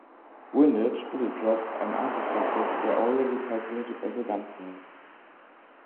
Windage, bullet drop and other factors were already calculated by the gunsight.